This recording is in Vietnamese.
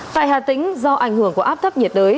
tại hà tĩnh do ảnh hưởng của áp thấp nhiệt đới